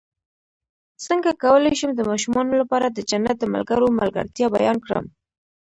څنګه کولی شم د ماشومانو لپاره د جنت د ملګرو ملګرتیا بیان کړم